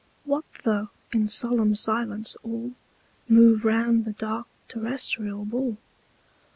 What though, in solemn Silence, all Move round the dark terrestrial Ball?